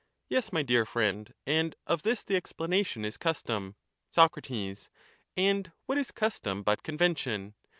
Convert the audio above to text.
Yes, my dear friend, and of this the explanation is custom. Soc. And what is custom but convention?